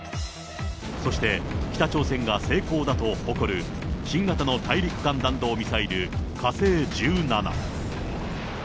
そして北朝鮮が成功だと誇る、新型の大陸間弾道ミサイル、火星１７。